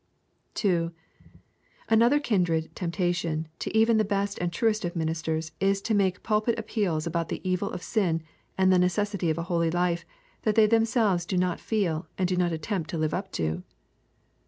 (2) Another kindred temptation to even the best and truest of ministers is to make pulpit appeals about the evil of sin and the necessity of a holy life that they themselves do not feel and do not attempt to live up to.